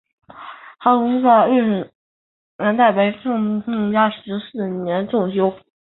韩泷祠的历史年代为清嘉庆十四年重修。